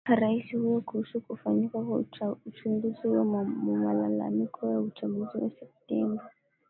rais huyo kuhusu kufanyika kwa uchunguzi wa malalamiko ya uchaguzi wa septemba